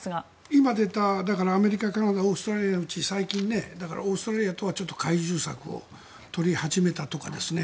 今出た、アメリカ、カナダオーストラリアのうち最近、オーストラリアとは懐柔策を取り始めたとかですね。